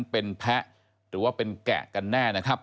เป็นแพะหรือว่าเป็นแกะกันแน่นะครับ